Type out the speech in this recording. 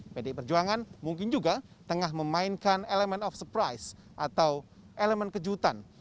pdi perjuangan mungkin juga tengah memainkan elemen of surprise atau elemen kejutan